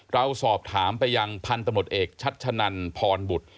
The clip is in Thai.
เราสอบถามไปยังพันธุ์ตำรวจเอกชัชนันพรบุตร